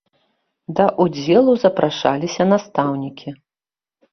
Да ўдзелу запрашаліся настаўнікі.